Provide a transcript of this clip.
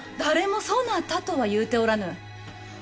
誰もそなたとは言うておらぬ。